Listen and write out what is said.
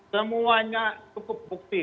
semuanya cukup bukti